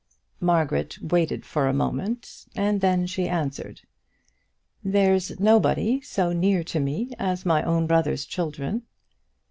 Margaret waited for a moment, and then she answered "There's nobody so near to me as my own brother's children."